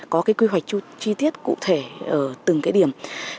có cái quy hoạch chi tiết cụ thể ở từng cái điểm